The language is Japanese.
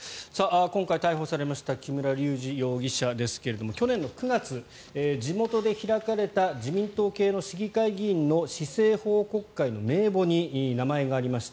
今回逮捕された木村隆二容疑者ですが去年の９月、地元で開かれた自民党系の市議会議員の市政報告会の名簿に名前がありました。